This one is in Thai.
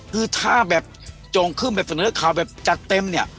คือถ้าแบบจงขึ้นแบบเสียงเลขาแบบจัดเต็มเนี่ย